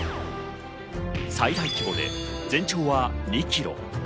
最大規模で全長は２キロ。